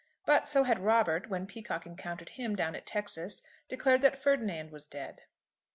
But so had Robert, when Peacocke encountered him down at Texas, declared that Ferdinand was dead.